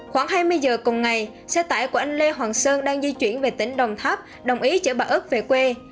khoảng hai mươi giờ cùng ngày xe tải của anh lê hoàng sơn đang di chuyển về tỉnh đồng tháp đồng ý chở bà ất về quê